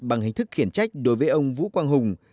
bằng hình thức khiển trách đối với ông vũ quang hùng